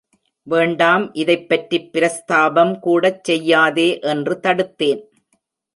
வேண்டாம், இதைப்பற்றிப் பிரஸ்தாபம்கூடச் செய்யாதே என்று தடுத்தேன்.